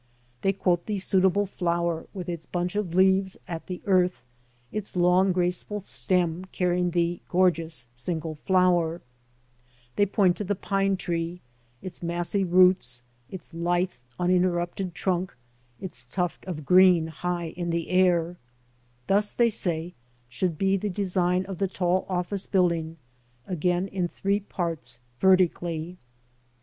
They quote the suitable flower with its bunch of leaves at the earth, its long graceful stem, carrying the gorgeous single flower. They point to the pine tree, ŌĆö its massy roots, its lithe, uninterrupted trunk, THE TALL OFFICE BUILDING ARTISTICALLY CONSIDERED. 4Q7 its tuft of green high iu the air. Thus, they say, should be tiie design of the tall office building: again in three parts vertically.